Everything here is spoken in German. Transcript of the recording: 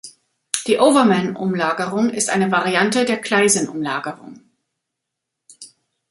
Die Overman-Umlagerung ist eine Variante der Claisen-Umlagerung.